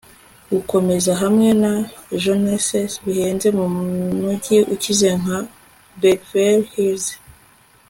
gukomeza hamwe na joneses bihenze mumujyi ukize nka beverly hills